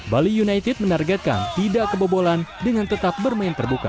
bali united menargetkan tidak kebobolan dengan tetap bermain terbuka